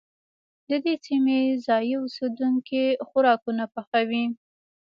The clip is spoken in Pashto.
د دې سيمې ځايي اوسيدونکي خوراکونه پخوي.